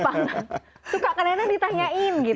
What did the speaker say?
suka kadang kadang ditanyain